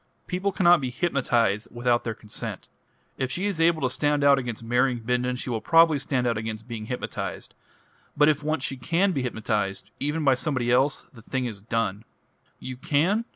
"People cannot be hypnotised without their consent. If she is able to stand out against marrying Bindon, she will probably stand out against being hypnotised. But if once she can be hypnotised even by somebody else the thing is done." "You can